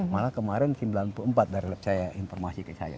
malah kemarin sembilan puluh empat dari lab saya informasi ke saya